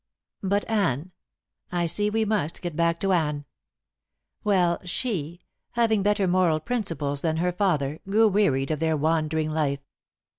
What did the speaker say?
But Anne I see we must get back to Anne. Well, she, having better moral principles than her father, grew wearied of their wandering life.